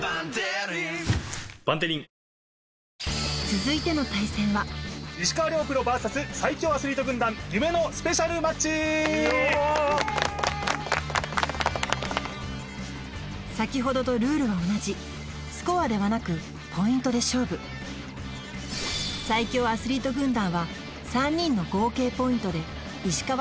続いての対戦は先ほどとルールは同じスコアではなくポイントで勝負最強アスリート軍団は３人の合計ポイントで石川遼